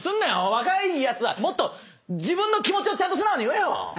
若いやつはもっと自分の気持ちちゃんと素直に言えよ！